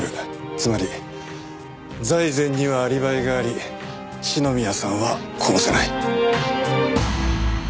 つまり財前にはアリバイがあり篠宮さんは殺せない。